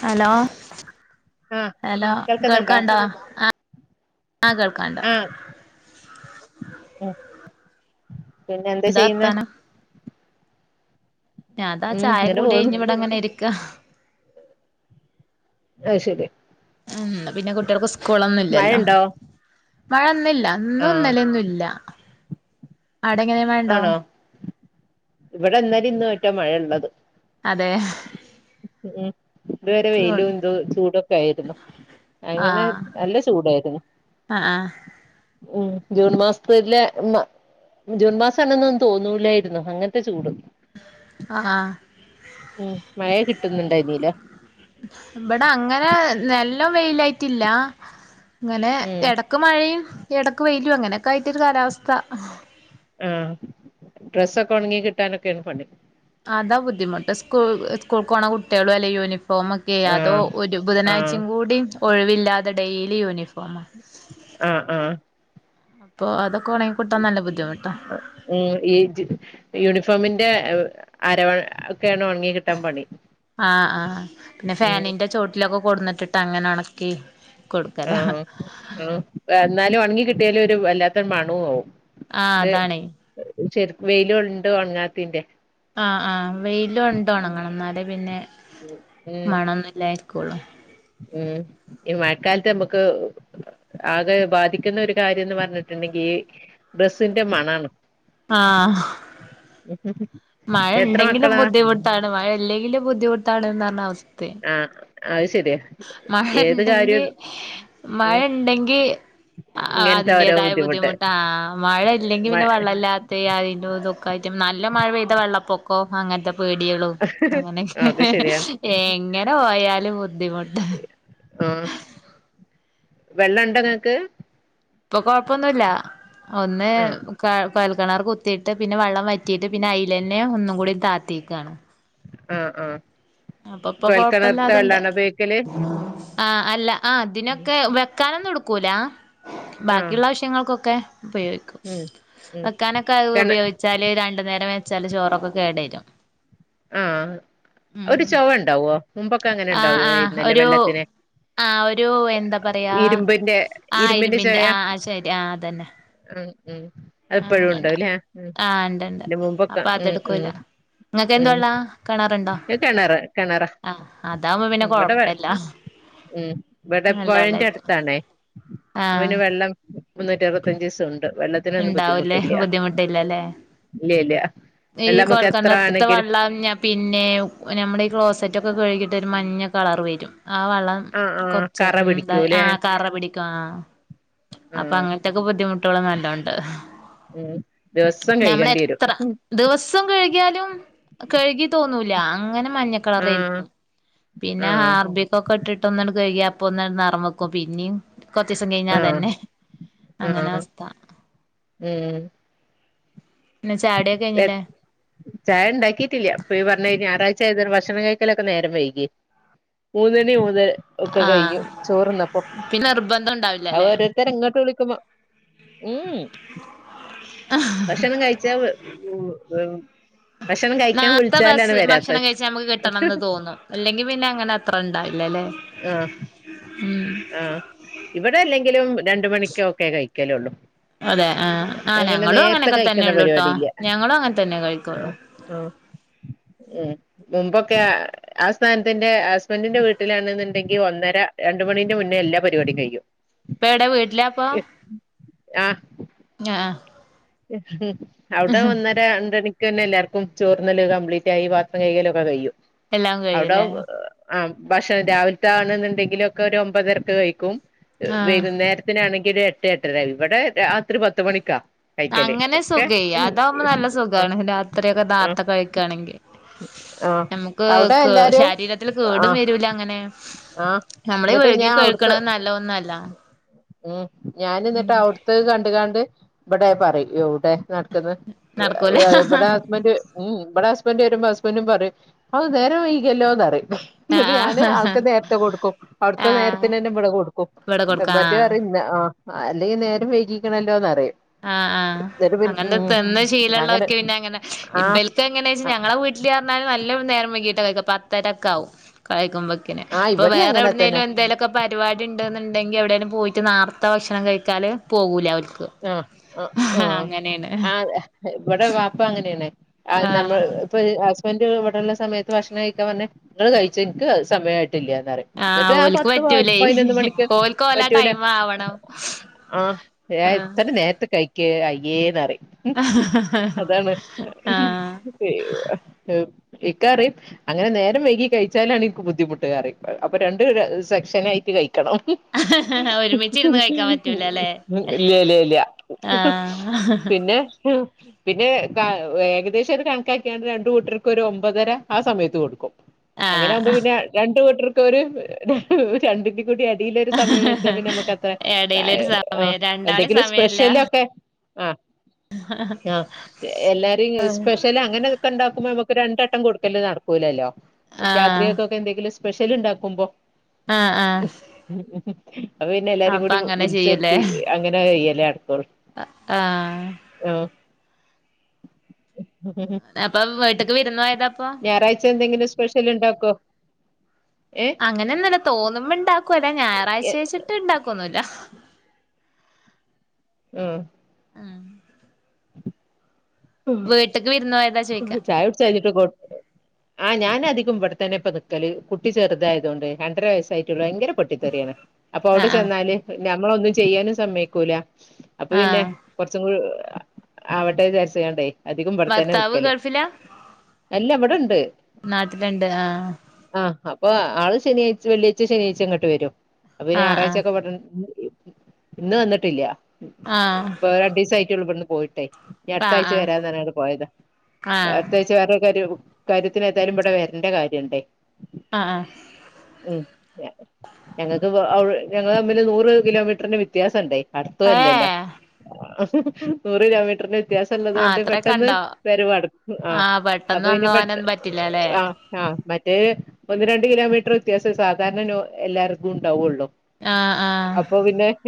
Hello ആഹ് hello കേൾക്കുന്നുണ്ടോ കേൾക്കാണ്ടോ ആ ആ കേൾകണ്ട ഉ പിന്നെ എന്താ ചെയ്യുന്ന ഞാതാ ചായ കൂടി പോവുന്നു കഴിഞ്ഞ ഇവിടെ അങ്ങനെ ഇരിക്ക ആത് ശരി ഉ പിന്നെ കുട്ടികൾക്ക് സ്കൂളൊന്നുംല്ലല്ലോ മഴണ്ടോ മഴൊന്നുംല്ല ല്ല ഇന്നും ആഹ് ന്നലൊന്നുംല്ല അവിടെ എങ്ങനെയ മഴണ്ടോ ഇവിടെന്നല ഇന്ന ആയിട്ടാ മഴ ഉള്ളത് അതെ ഉം ഇതുവരെ വെയിലും എന്തോ ചൂടൊക്കെ ആയിരുന്നു അങ്ങനെ നല്ല ചൂടായിരുന്നു ആഹ ഉം ജൂൺ മാസത്തിെലെ ജൂൺ മാസം തന്ന ഒന്നുന്നും തോന്നൂല്ലായിരുന്നു അങ്ങനത്തെ ചൂട് ആഹ ഉം മഴ കിട്ടുന്നുണ്ടായിരുന്നില്ല ഇവിടെ അങ്ങനെ നല്ല വെയിലായിട്ടില്ല അങ്ങനെ ഉം ഇടക്ക് മഴയും ഇടക്ക് വെയില ക്കുംഅങ്ങനെയൊക്കെ ആയിട്ടൊരു കാലാവസ്ഥ ആഹ ഡ്രസ്സൊക്കെ ഉണങ്ങി കിട്ടാനൊക്കെയണ് പണി അതാ ബുദ്ധിമുട്ട് സ്കൂൾ സ്കൂൾ പോണ കുട്ടികളും അല്ലെങ്ക യൂണിഫോം ഫോമക്കെ അതോ ആഹ് ഒരു ആഹ് ബുധനാഴ്ചയും കൂടി ഒഴിവില്ലാതെ ഡെയിലി യൂണിഫോം ആഹ ആഹ അപ്പൊ അതൊ ഉ ഇ ജ യൂണിഫോമിൻ ന്റെ ആരവണ ആഹ ആഹ് പിന്നെ ഉം ഫാനിന്റെ ചോട്ടിലൊക്കെ കൊടുന്നിട്ടിട്ട് അങ്ങനെ ഉണക്കി ആഹ ആ എന്നാലും ഒണങ്ങി കിട്ടിയാലും ഒരു വല്ലാത മണോ വും ആഹ അതാണ് ചെ വെയിലുണ്ട് ഒണങ്ങാത്തിന്റെ ആഹ ആഹ വെയില ഉണ്ട ഉണങ്ങണം എന്നാല് പിന്നെ ഉം മണൊന്നുല്ലാ കുളം ഉം ഈ മഴക്കാലത്തെ നമുക്ക് ആകെ ബാധിക്കുന്ന ഒരു കാര്യംന്ന് പറഞ്ഞിട്ടുണ്ടെങ്കിൽ ഈ ഡ്രസ്സിന്റെ മണാണ് ആഹ മഴ എത്ര ഉണ്ടെങ്കിലും മക്കളാ ബുദ്ധിമുട്ടാണ് മഴ ഇല്ലെങ്കിലും ബുദ്ധിമുട്ടാണ് എന്ന് റഞ്ഞ അവസ് ആഹ ആ മഴ ഉണ്ടെങ്കി മഴ ഉം ഉണ്ടെങ്കി ആ ഇങ്ങനത്തെ ഓരോ അതിന്റേതായ ബുദ്ധിമുട്ട് ബുദ്ധിമുട്ടാ മഴ ഇല്ലെങ്കി പിന്നെ വെള്ളയില്ലാതെ അതിന്റെ ഇതൊക്കായിട്ട നല്ല മഴ പെയ്ത വെള്ളപ്പൊ കോ അങ്ങനത്തെ പേടികളും അങ്ങനോകെ അത് ശരിയാണ് എങ്ങനെപോയാലും ബുദ്ധിമുട്ട ആഹ വെള്ളം ഇണ്ടങ്ങക്ക് ഇപ്പൊ കൊഴപ്പൊന്നുല്ല ഒന്ന് ആഹ് ക കോൽക്കിണർ കുത്തീട്ട് പിന്നെ വെള്ളം വറ്റിയിട്ട് പിന്നെ അയിലെ ന്നെ ഒന്നും കൂടി താത്തിക്കാണ് ആഹ ആഹ അപ്പൊ ഇപ്പൊ കൊഴപ്പല്ലാതണ്ട് ഉപയോഗിക്കല് ആ അല്ല ആ അതിനൊക്കെ വെക്കാനൊന്നും ഇടുക്കൂല ആഹ് ബാക്കിയുള്ള ആവശ്യങ്ങൾക്കൊക്കെ ഉപയോഗിക്കും ഉം ഉം വെക്കാനൊക്കെ അത് കെണ ഉപയോഗിച്ചാല് രണ്ടു നേരം വെച്ചാല് ചോറൊക്കെ കേടരും ആഹ ഉം ഒരു ചവ ഉണ്ടാവോ മുമ്പൊക്കെ അങ്ങനെ ഉണ്ടാവോ ഇന്നല്ലെ വെള്ളത്തിന് ആഹ ഒരു എന്താ പറയാ ഇരുമ്പിന്റെ ആ ഇരുമ്പിന്റെ ആഹ് ആ ശരി ആ അതന്നെ ആ ഉം അത്പ്പെഴും അങ്ങനെണ്ടാവും ഉണ്ടാവല്ലേ ഉ ആഹ് ഇണ്ട്ണ്ട് അന്റെ മുമ്പൊക്കെ ഉം ഉം എന്ത്‌ ഉം വള്ളാ കെണറുണ്ട ഇത് കെണറ് കെണറാ ആ അതാവുമ്പോ പിന്നെ ഉം ഇവിടെ വെ കൊഴപ്പില്ല ഉം ഇവിടെ പൊഴെന്റെ അടുത്താണേ ആഹ് ഇവന് വെള്ളം മുന്നൂറ്റി അറുപത്തഞ്ച് ദിവസം ഉണ്ട് വെള്ളത്തിനൊന്നും ഇണ്ടാവൂലേ ബുദ്ധിമുട്ടില്ല ബുദ്ധിമുട്ടില്ലല്ലേ ഇല്ലേ ഇല്ല വെള്ളമുക്ക് എത്ര ആണെങ്കിലും ളം ഞ പിന്നെ നമ്മുടെ ഈ ക്ലോസറ്റ് ഒക്കെ കഴുകിട്ട് ഒരു മഞ്ഞ കളർ വരും ആ വെള്ളം ആഹ് ആഹ് കറ കൊച്ചേരം ഉം പിടിക്കൂല്ലേ ആഹ കറ പിടിക്കും ആ അപ്പ ആഹ് അങ്ങനത്തൊക്കെ ബുദ്ധിമുട്ടുകൾ നല്ലോണ്ട് ഉം ദിവസം കഴകേണ്ടി വരും സം കഴിക്യാലും കഴുകി തോന്നുല്ല അങ്ങനെ മഞ്ഞ കളറെ ആഹ് യിരിക്കും പിന്നെ ആഹ് ഹാർബിക്ക് ഒക്കെ ഇട്ടിട്ടൊന്ന് ങ്ങട് കഴുകിയ അപ്പന്നന്ന് നെറംവെക്കും പിന്നേം കൊറചീസം കഴിഞ്ഞാ ആഹ് അതന്നെ അങ്ങനെ ആഹ് അവസ്ഥ പിന്നെ ചായുടിയൊക്കെ എം കഴിഞ്ഞില്ലേ ചായ ഇണ്ടാക്കിട്ടില്ല ഇപ്പോ ഈ പറഞ്ഞ കഴിഞ്ഞ ഞായറാഴ് ചെയ്ത ഭക്ഷണം കഴിക്കലൊക്കെ നേരം വൈകി ഊണിന് മുത് ഒക്കെ ആ കഴിഞ്ഞു ചോറിന്നപ്പോ പിന്നെ നിർബന്ധം ഉണ്ടാവില്ലല്ലേ അവരോരുത്തർങ്ങക്ക് വിളിക്ക മ ഉം ആഹ ചവ് [unintelligible] ഭക്ഷണം കഴിക്കാൻ നാർത്തെ വിളിച്ചാലാണ് ഭസ് വരാത്ത ഭക്ഷണം കഴിച്ചാ നമുക്ക് കിട്ടണംന്ന് തോന്നും അല്ലെങ്കി പിന്നെ അങ്ങനെ അത്ര ഇണ്ടാവില്ലല്ലേ ആഹ് ഉം ആഹ് ഇവിടെ അല്ലെങ്കിലും കലെള്ളൂ അതെ ആഹ് ആഹ് ഞങ്ങളും അങ്ങനെയൊക്കെ തന്നെ കഴിക്കുന്ന ഒള്ളൂട്ടോ പരിപാടി ഇല്ല ഞങ്ങളും അങ്ങൻ തന്നെ കഴിക്കൊള്ളു ആഹ് ആഹ് ഉം മുമ്പൊക്കെ ആ സ്ഥാനത്തിന്റെ ഹസ്ബൻഡിന്റെ വീട്ടിലാണ് ണ്ടെങ്കി ഒന്നര രണ്ട് മണിന്റെ മുന്നേ എല്ലാ പരിപാട് ഇപ്പ ഏടെ വീട്ടിലാപ്പൊ ആഹ് ആഹ് അവിടെ ഒന്നര രണ്ടനി ക്കെന്നെ എല്ലാർക്കും ചോറ്ന്നല് കംപ്ലീറ്റ് ആയി പാത്രം കൈക ലൊക്കെ കഴിയും എല്ലാം കഴിയുംല്ലേ ഭക്ഷ രാവില്ത്താണ് ന്ന്ണ്ടെങ്കിലൊ ക്കെ ഒരു ഒമ്പതരക്ക് കഴിക്കും ആഹ് വൈകു നേരത്തിനാണെ [unintelligible] എട്ട് എട്ടര ഇവടെ രാത്രി പത്തുമണിക്കാ അങ്ങനെ സുഖെ അതാവുമ്പോ നല്ല സുഖാണ് രാത്രി [unintelligible] ക്കെ ആഹ് നാർത്ത കഴിക്കാണെങ്കിൽ ആഹ് നമുക്ക് അവിടെ ക് എല്ലാരും ശരീരത്തില് കേടും ആഹ് വരൂല അങ്ങനെ ആഹ് നമ്മള് എന്നിട്ട് വഴുകി ഞാൻ അവിടുത്തെ കഴിക്ക്ണ നല്ല ഹ് ന്നല്ല ഉം ഞാനി ഇന്നട്ട് ഔട്ത്തെ കണ്ട് കാണ്ട് ഇവടെ പറിം ഹൌടെ നടക്ക്ന്ന് നടക്കൂല ഇബടെ ഹസ്ബന്റ് ഉം ഉം ഇബടെ ഹസ്ബന്ഡറ് വരുമ്പോ ന്റും പറിം അഹ് നേരം വൈക്യല്ലോന്നറിം ന്നിട്ട് ഞാാന് ആഹ് ത്തെകൊടുക്കും അവിട്ത്തെ ആഹ് നേരത്തിനെന്നെ ഇബടെ കൊടുക്കും ഇവിടെ കൊടുക്കാ മറ്റെ ആഹ് അറി അഹ് അല്ലെങ്കി നേരം വഴ്കിക്ക്ണല്ലോന്നറിം ആഹ് ആഹ് അങ്ങനെ [unintelligible] തന്ന അങ്ങനെ ശീലഉള്ളോർക്ക് പിന്നെ അങ്ങനെ ആഹ് ഇബൽക്ക് എങ്ങനെയാ വെച്ച ഞങ്ങളെ വീട്ട ഇല്ലാറ്ന്നാല് നല്ലൊ [unintelligible] നേരംവൈകീട്ടകഴിക്ക പത്തരക്കെ ആവും കഴിക്കുമ്പോ ക്കെന് ആഹ് അപ്പൊ ഇവിടെയും വേറെ എവ് അങ്ങനെ തന്നെ ന്നേലും എന്തേ ലൊക്കെ പരിപാടി ഇണ്ട്ന്ന്ണ്ടെങ്കി എവിടെേലും പോയിട്ട് നേർത്ത ഭക്ഷണം കഴിക്കാല് പോവൂല ഓൽക്ക് അഹ് ആഹ് അങ്ങനേണ് ആഹ് ഇബടെ വാപ്പ അങ്ങനേണ് നമ്മ ആഹ് ഇപ്പൊ ഹസ് ഇപ്പന്റെവിടള്ള സമയത്ത് ഭക്ഷണം കഴിക്കാൻ പറഞ്ഞ് ഇങ്ങള് കഴിച്ച് ഇൻക്ക് സമയാട്ട് ഇല്ലാന്നറിം ആഹ് ന്നിട്ട് ആ ഓൽക്ക് പത്ത് പ പറ്റൂലേ പതിനൊന്ന് മണിക്ക് ഓൽക്ക് ഓലെ പറ്റൂല ടൈമ് ആവണം ആഹ് ആഹ് ഇത്ര നേര്ത്തെ കഴിക്കെ അയ്യേന്നറി ഉം [unintelligible] അതാണ് ആഹ് [unintelligible] ഇക്കാ റിം അങ്ങനെ നേരം വൈകി കഴിച്ചാലാണ് ഇൻക്ക്ബുദ്ധിമുട്ട് അറിം അപ്പൊ രണ്ട് സെക്ഷൻ ആയിട്ട് കഴിക്കും റ്റണം ഒരുമിച്ചിരുന്ന് കഴിക്കാൻ പറ്റൂലല്ലേ [unintelligible] ഇല്ല്യല്ല്യ ല്യ ആഹ് പിന്നെ പിന്നെ ക്ക ഏകദേശം ഒരു കണക്കാക്കിയാണ്ട് രണ്ടു കൂട്ടർക്കും ഒരു ഒമ്പതര ആ സമയത്ത് കൊടുക്കും അങ്ങനെ ആകുമ്പോ ആഹ് പിന്നെ രണ്ട് കൂട്ടർക്കൊര് രണ്ടിന്റെ കുടിഅടീലൊരു സമയം വെച്ചാ പിന്നെ അമ്മക്കത്ര എടയിലൊരു അഹ് സമയം രണ്ടാളി എന്തെങ്കിലും സമയല്ല ക്ഷലൊക്കെ ആഹ് ആഹ് എല്ലാരി സ്പെഷ്യല് അങ്ങനെ ഒക്കെ ഉണ്ടാക്കുമ്പോ അമ്മ രണ്ടട്ടം കൊടുക്കല്ലോ നടക്കൂലല്ലോ ആഹ് രാത്രികൊക്കൊക്കെ എന്തെങ്കിലും സ്പെഷ്യൽ ഉണ്ടാക്കുമ്പോ ആഹ് ആഹ് ഹ് ഹ് അപ്പൊ പിന്നെ അപ്പൊ എല്ലാരിംകൂടി അങ്ങനെ വിളിച്ചത്തി അങ്ങനെ എയ്യ അഹ്ആഹ് ആ അപ്പൊ വീട്ട്ക്ക് വിരുന്നോയതാ ഞായറാഴ്ച എന്തെങ്കിലും സ്പെഷ്യൽ ഉണ്ടാക്കോ ഏഹ് അങ്ങനെൊന്നുല്ല തോന്നുമ്പോ ഇണ്ടാക്കുവല്ല ഞായറാഴ്ച വെച്ചിട്ട് ഇണ്ടാക്കൊന്നുല്ല ഉം വീട്ട്ക്ക് വിരുന്ന് പോയതാ ഉം ചോയിക്കാ ചായ ഉട്ച്ചയഞ്ഞിട്ട് കൊ ആഹ് ഞാനധികം ഇബടെത്തന്നെ ഇപ്പൊ നിക്കല് കുട്ടി ചെറുതായതത് കൊണ്ടെ രണ്ട്ര വയസ്സായിട്ടുള്ള ഭയങ്കര പൊട്ടിത്തെറിയാണ് അപ്പൊ ഔടെ ആഹ് ചെന്നാല് ഞമ്മളൊന്നും ചെയ്യാനും സമ്മയ്ക്കൂല അപ്പൊ ആഹ് പിന്നെ ആഹ് കൊറച്ചും കൂടി ആവട്ടെ വിചാര്ച്ച്യണ്ടേ അധികം ബടെത്തന്നെ ഭർത്താവ് നിക്കല് ഗൾഫിലാ അല്ല ബ്ടെ നാട്ടില്ണ്ട് ആ അപ്പോ ആൾ ശനിയാഴ്ച വെള്ളിയാഴ്ച ശനിയാഴ്ച ഇങ്ങട്ട് വരും അപ്പൊ പിന്നെ ആഹ് ഞാറായ്ചക്കെ ഇവടെ ഇന്ന് വന്നിട്ടില്ല ആഹ് ഇപ്പൊ രണ്ടീസായിട്ട്ടൊള്ളു ഇവിടന്ന് പോയിട്ടെ ഞ ആഹ് അടുത്താഴ്ച ആഹ് വരാന്നർഞ്കാണ്ട് പോയതാ ആഹ് അടുത്താഴ്ച വേറൊരു കരു കാര്യത്തിനേതായാലും ഇവടെ വര്ണ്ട കാര്യംണ്ടേ [unintelligible] ആഹ് ആഹ് ഉം ഞങ്ങക്ക് പ്പൊ അഉടെ ഞങ്ങള് തമ്മില് നൂറ് കിലോമീറ്ററിന് വ്യത്യാസം ണ്ടേ അടുത്തു അല്ലല്ലോ ഏഹ് നൂറ് കിലോമീറ്ററിന് വ്യത്യാസം ആഹ് ഉള്ളതോണ്ട് പെട്ടെന്ന് അത്രൊക്കെണ്ടോ വരവടകു ആ ആഹ് അപ്പൊ പെട്ടെന്ന് പിന്നെ വന്ന് പെട്ടെന്ന് പോവാനൊന്നും പറ്റില്ലല്ലേ ആ ആ മറ്റ റ്റേ ഒന്ന് രണ്ണ്ട് കിലോമീറ്റർ വ്യത്യാസം സാധാരണ നോ എല്ലാർക്കും ഉണ്ടാവുള്ളോ ആ ആ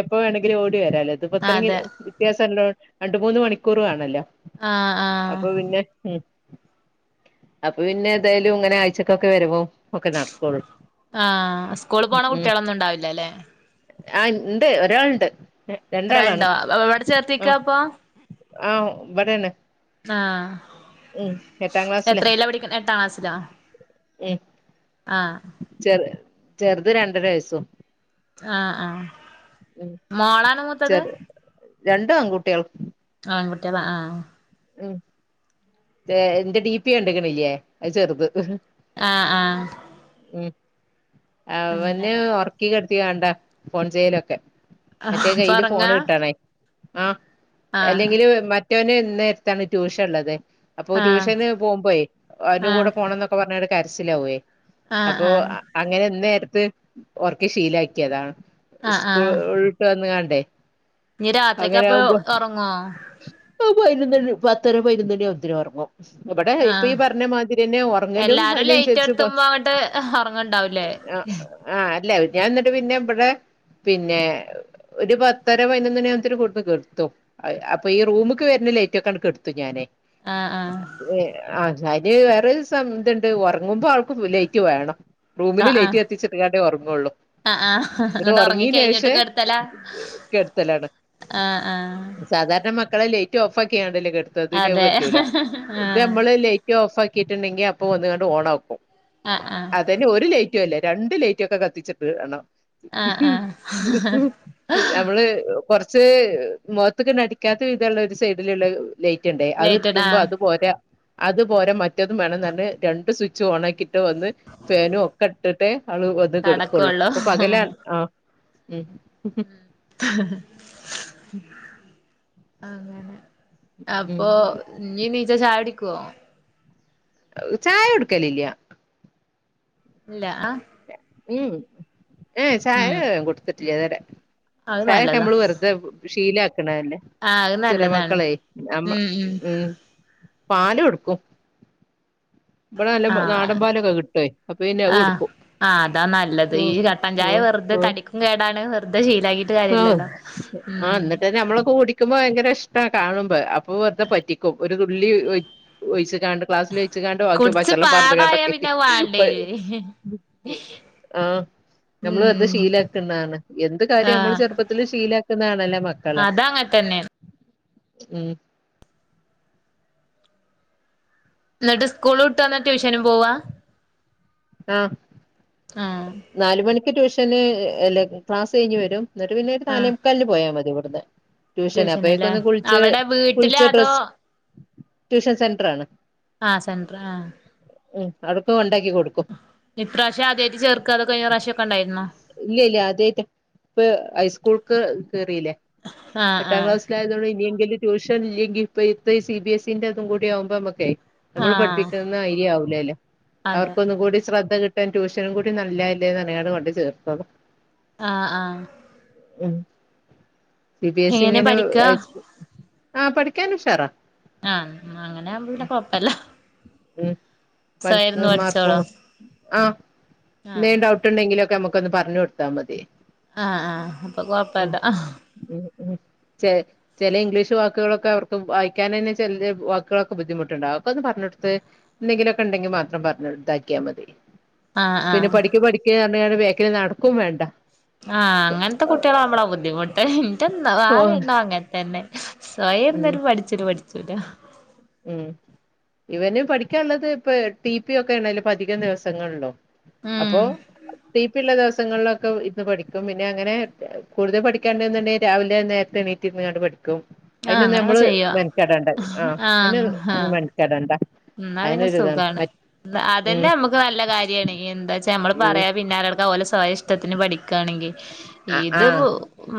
എപ്പോ വേണമെങ്കിലും ഓടി വരാലോ ഇതിപ്പ ഇത്ര കിലോ വ്യത്യാസംള്ളൊണ്ട് രണ്ട് മൂന്ന് മണിക്കൂർ വാണല്ലോ ആഹ് ആഹ് അപ്പൊ പിന്നെ അപ്പൊ പിന്നെ എതായാലും ഇങ്ങനെ ആഴ്ചക്കൊക്കെ വരുവും ഒക്കെ നടകൊള്ളു ആഹ് സ്കൂള് പോണ കുട്ടികളൊന്നും ഉണ്ടാവില്ല അല്ലേ ആ ഇണ്ട് ഒരാൾണ്ട് ഒരാൾണ്ടോ പ്പവടെ ചേർത്തിക്കപ്പൊ ആ ബ്ടെണ് ആ എട്ടാം ക്ലാസ്സില എത്രീലാ പഠിക്കണ് എട്ടാം ക്ലാസിലോ എ ചെറു ചെറുത് രണ്ടര വയസും ആ ആ മോളാണ് മൂത്തത് ചെറു രണ്ടും ആൺകുട്ടികൾ ആൺകുട്ട്യാള ആ ഉം ഏ ഇന്റെ ഡിപി കണ്ട്ക്ക്ണില്ലേ അത് ചെറുത് ആ ആ ഉം അവന് ഒറക്കി കെടത്തികാണ്ട ഫോൺചെയ്യലൊക്കെ മറ്റേ കയ്യില് ഫോണ് പൊറങ്ങാ കിട്ടാണേ ആ ആഹ് എല്ലെങ്കില് മറ്റോന് ഇന്നേരത്താണ് ട്യൂഷൻ ള്ളത് അപ്പൊ ആഹ് ട്യൂഷന് പോകുമ്പോ അവന്റെ കൂടെ ആഹ് പോണംന്നൊക്കെ പറഞ്കാണ്ട് കരച്ചിലാവും ആഹ് അപ്പൊ ആഹ് അങ്ങനെ ഇന്നേരത്ത് ഒറക്കി ശീലാക്കിയതാ സ്കൂൾട്ട് വന്ന്കാണ്ട് ഞ്ഞി രാത്രിക്കപ്പൊ ഒറങ്ങോ ആ പയിനൊന്നണി പത്തര പയിനൊന്നണി ആകുമ്പോത്തിന് ഒറങ്ങും ഇവടെ ഇപ്പ ആഹ് ഈ പറഞ്ഞ മാതിരിയെന്നെ ഒറങ്ങലും എല്ലാരും ലൈറ്റ് അയിനനുസരിച്ച് എടുത്തുമ്പോ അങ്ങട്ട് ഒറങ്ങണ്ടാവൂലേ [unintelligible] അ ആ അല്ല ഞാൻ ന്നിട്ട് പിന്നെ ഇബടെ പിന്നെ ഒരു പത്തര പയിനൊന്നണി ആകുമ്പോ തന്നെ കൊട്ന്ന് കെട്ത്തും അപ്പൊ ഈ റൂമക്ക് വര്ന ത്ത്ത്തെ ലൈറ്റൊക്കേണ്ട് കെട്ത്തും ഞാന് ആഹ് ആഹ് [unintelligible] ആ അയിന് വേറെ സം ഇത്ണ്ട് ഒറങ്ങുമ്പോ ആൾക്ക് ലൈറ്റ് വേണം റൂമില് ലേറ്റ് കത്തിച്ചിട്ട് കാണ്ട് ഒറങ്ങൊള്ളൂ അ ആ എന്നിട്ട് ഇങ്ങോട്ട് ഉറങ്ങി ഉറങ്ങീന് കഴിഞ്ഞിട്ട് ശേഷേ കെ ട്ത്തല കെടുത്തലാണ് അ ആ സാധാരണ മക്കളെ ലൈറ്റ് ഓഫാക്കിക്കാണ്ടല്ലേ കെട്ത്ത ഇതിനത് പറ്റൂല ആഹ് ഇത് നമ്മള് ലൈറ്റ് ഓഫാക്കി ക്കിട്ട്ണ്ടെങ്കി അപ്പൊ വന്ന്കാണ്ട് ഓണാക്കും ആഹ് ആഹ് അതന്നെ ഒരു ലൈറ്റ്ല്ലേ രണ്ട് ലൈറ്റ് ഒക്കെ കത്തിച്ചിട്ട് ണം ആഹ് ആഹ് നമ്മള് കൊറ ച് മുഖത്ത്ക്ക്ണ്ടടിക്കാത്ത വിധള്ള ഒരു സൈഡിലുള്ള ലൈറ്റ് ണ്ടേ അത് ലേറ്റ്ടാ ഇട്ടുമ്പോ അത് പോരാ അതുപോലെ മറ്റതും വേണം ന്നർഞ് രണ്ട് സ്വിച്ചും ഓൺ ആക്കിട്ട് ഒന്ന് ഫാനും ഒക്കെ ഇട്ടിട്ട് ആള് വന്ന് കെടുക്കുള്ളൂ കടക്കൊള്ളൂ അപ്പൊ പകല ഉം ആ ഉ [inaudible] അങ്ങനെ അപ്പൊ ഉം നീ നീച ചായടിക്കുവോ? ചായ കൊടക്കലില്ല ഇല്ല ആ ഉം ഏ ഉം ചായകൊടുത്തിട്ടില്ല ഇതരെ. അത് ചായ നല്ലതാ ഒക്കെനമ്മള് വെറുത ശീല ക്ണല്ലെ തന്നെ ആഹ് അത് ചെറിയ നല്ലതാണ് മക്കളേ ഉം ഉം നമ്മ--ഉം. പാല് ടുക്കും ഇവിടെ നല്ല ആഹ് നാടൻ പാലൊക്കെ കിട്ടുവെ അപ്പൊ പിന്നെ അത് കൊടുക്കും. ആ അതാ നല്ലത് ഈ ഉം കട്ടൻ ചായ ഉം വെറുതെ തടിക്കും കേടാണ് വെറു ആ ആ ഉം എന്നിട്ട് ഞമ്മളൊക്കെ കുടിക്കുമ്പോ ഭയങ്കര കാണുമ്പോ അപ്പൊ വെറുതെ പറ്റിക്കുംഒരു തുള്ളി ഒഴിച്ച് കാണ്ട് ഗ്ലാസ്സിൽ വെച്ചകാണ്ട് ബാക്കി കുടിച്ച് പച്ചള്ളം പാർന്ന്കാണ്ട് പാടായ ക്കെ പിന്നെ വാണ്ടേരും ആ നമ്മള് അത് ഉം ശീലക്കുന്നതാണ്. എന്ത് കാര്യം നമ്മൾ ആഹ് ചെറുപ്പത്തിൽ ശീല ആക്കുന്നതാണല്ലേ മക്കളെ അതങ്ങനെ തന്നെയാണ് ഉം എന്നിട്ട് സ്കൂൾ വിട്ടു വന്ന് ട്യൂഷനു പോവാ ആ ആ ട്യൂഷന് ഇല്ലേ ക്ലാസ് കഴിഞ്ഞ് വരും എന്നിട്ട് പിന്നീട് ആഹ് നാലേമുക്കാലിന് പോയാൽ മതി ഇവിടുന്ന് ട്യൂഷന് അപ്പഴേക്കും ട്യൂഷന്ല്ലേ ഒന്ന് കുളിച്ച് അവിടെ വീട്ടില് കുളിച്ച് അതോ ഡ്രസ് ട്യൂഷൻ സെന്റർ ആണ്. ആ സെന്റർ ആ ഉം അവിടിപ്പം കൊണ്ടാക്കി കൊടുക്കും ഈപ്രാവശ്യം ആദ്യയിട്ട് ചേർക്കാ കഴിഞ്ഞ പ്രാവശ്യമൊക്കെ ഉണ്ടായിരുന്നോ? ഇല്ല ഇല്ല അദ്യായിട്ട ഇപ്പ ഹൈസ്കൂൾക്ക് കേറില്ലേ ആഹ് എട്ടാം ആഹ് കാസ്സിലായതു കൊണ്ട് ഇനി എങ്കിലും ട്യൂഷൻ ഇല്ലങ്കിൽ ഇപ്പ സി ബി എസ് ഇന്റെതും കൂടി ആവുമ്പോ നമ്മക്കേ നമ്മൾ ആഹ് പഠിപ്പിക്കുന്ന [unintelligible] യാവൂലല്ലോ അതെ അവർക്കൊന്ന കൂടി ശ്രദ്ധ കിട്ട ട്യൂഷനും കൂടി നല്ലായില്ലി യോന്നറിനാണ് കൊണ്ട് ചേർത്തത്. ആ ആ ഉം സി ബി എസ് ഇ എങ്ങനെ ഇങ്ങനെ പഠിക്കാ അയ് ആ പഠിക്കൻ ഉഷാറാ ആ അങ്ങനെ ആവുമ്പോ പിന്നെ കൊഴപ്പല്ല ഉം പഠ സ്വയം ഇരുന്ന് മാർക്ക പഠിച്ചോളോ ആ ആഹ് എന്തേലുംഡൗട്ട് ഉണ്ടെങ്കിലും ഒക്കെ നമ്മുക്കൊന്ന് പറഞ്ഞു കൊടുത്താ മതി. ആ ആ അപ്പൊ ഉം കൊഴപ്പില്ല. ഉം ഉം ചി ചില ഇംഗ്ലീഷ് വാക്കുകളൊക്കെ അവർക്ക് വായിക്കാൻ തന്നെ ചെല വാക്കുകളൊക്കെ ബുദ്ധിമുട്ടുണ്ടാവും അത് ഒക്കെ ഒന്ന് പറഞ്ഞു കൊ എന്തെങ്കിലുമൊക്കെ ഉണ്ടെങ്കിൽ മാത്രം പറഞ്ഞു കൊടുത്ത് ഇതാക്കിയാൽ മതി ആഹ് പിന്നെ ആഹ് പഠിക്ക് പഠിക്ക് യാളുടെ ബാക്കില് നടക്കും വേണ്ട. ആ അങ്ങനത്തെ കുട്ടികളാവുമ്പോളാ ബുദ്ധിമുട്ട് ഇന്റെ ഓഹ് നാലെണ്ണവും അങ്ങനെ തന്നെ സ്വയം ഉം എന്താലും പഠിച്ചല പഠിച്ചൂല ഉം ഇവനും പഠിക്കാനുള്ളത് ഇപ്പ ടി പി ഒക്കെ ഉണ്ടല്ലോ ഇപ്പ അധികം ദിവസങ്ങളിലും ഉം അപ്പൊ ടി പിയുള്ളദിവസം ദിവസങ്ങളിലൊക്കെ ഇന്ന് പഠിക്കും പിന്നെ അങ്ങനെ കൂടുതൽ പഠിക്കേണ്ടന്നുണ്ടെങ്കിൽ രാവിലെ നേരത്തെ എണീറ്റ്ഇരുന്നു കൊണ്ട് പഠിക്കും ക്കും ആഹ് അതിനൊന്നു അങ്ങനൊക്കെ നമ്മള് ചെയ്യാ മെനക്കെടേണ്ട ആ അതിന് ആഹ് ആഹ് മെനക്കെടണ്ട എന്നാ പിന്നെ അയിനൊരു ഇതാണ് സുഖാണ് അതന്നെ നമുക്ക് നല്ല കാര്യണ് എന്താ വച്ചാ നമ്മള് ഉം പറയാ പിന്നാലെ നടക്കാൻ ഓല് സ്വയം ഇഷ്ടത്തിന് പഠിക്കുകയാണെങ്കി ആഹ് ഇത് ആഹ്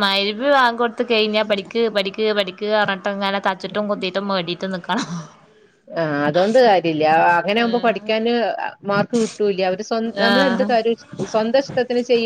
മയ് വാങ്ക് കൊടുത്ത് കഴിഞ്ഞാ പഠിക്ക് പഠിക്ക് പഠിക്ക് പറഞ്ഞിട്ട് അങ്ങനെ തച്ചിട്ടും കൊത്തിട്ടും മെടിട്ടും നിക്കണം. ആ അതുകൊണ്ട് കാര്യല്ല അങ്ങനെ ആകുമ്പോ പഠിക്കാന് മാർക്ക് കിട്ടൂല്ല അവര് സ്വന്തം നമ്മളെന്ത് ആഹ് കാര്യ [unintelligible] സ്വന്തഷ്ടത്തിന് ചെയ്യ